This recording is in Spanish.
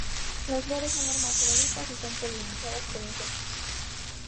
Las flores son hermafroditas y son polinizadas por insectos.